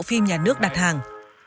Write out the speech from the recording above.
phim nhà nước đặt hàng